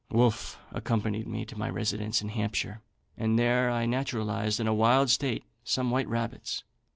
"Wolfe accompanied me to my residence in Hampshire, and there I naturalised, in a wild state, some white rabbits.